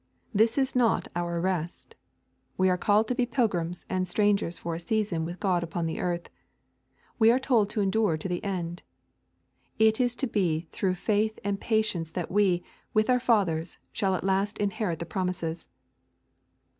This is not our rest. We are called to be pilgrims and strangers for a season with God upon the earth. We are told to endure to the end. It is to be through faith and patience that we, with our fathers, shall at last inherit the promises.